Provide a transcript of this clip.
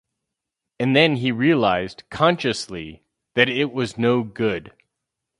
And then he realised, consciously, that it was no good.